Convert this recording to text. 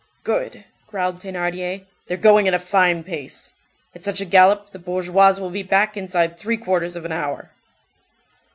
"Good!" growled Thénardier. "They're going at a fine pace. At such a gallop, the bourgeoise will be back inside three quarters of an hour."